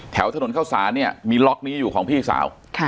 แถวถนนเข้าสารเนี่ยมีล็อกนี้อยู่ของพี่สาว